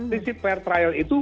fisik fair trial itu